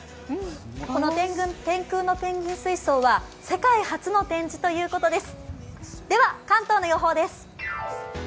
この天空のペンギン水槽は世界初の展示ということです。